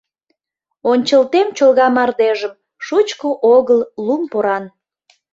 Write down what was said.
Ончылтем чолга мардежым, Шучко огыл лум поран.